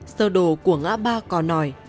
sơ đồ của ngã ba cò nòi